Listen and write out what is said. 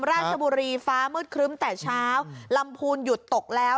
ราชบุรีฟ้ามืดครึ้มแต่เช้าลำพูนหยุดตกแล้ว